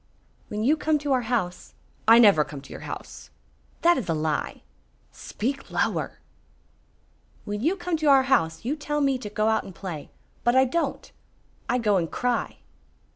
"When you come to our house " "I never come to your house." "That is a lie." "Speak lower!" "When you come to our house you tell me to go out and play. But I don't. I go and cry."